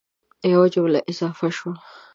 یوه جمله اضافه شوه